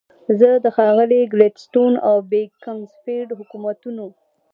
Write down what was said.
زه د ښاغلي ګلیډستون او بیکنزفیلډ حکومتونو.